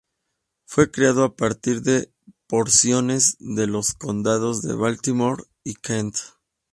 Fue creado a partir de porciones de los condados de Baltimore y Kent.